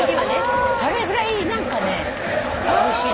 それぐらい何かねおいしいのよ。